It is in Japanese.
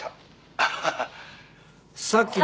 「アハハ」さっきの。